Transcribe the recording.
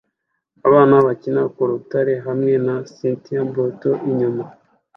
Abana bakina ku rutare hamwe na steamboat inyuma